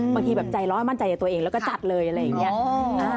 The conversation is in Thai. บางทีแบบใจร้อนมั่นใจในตัวเองแล้วก็จัดเลยอะไรอย่างนี้